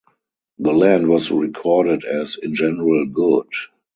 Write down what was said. The land was recorded as "in general good".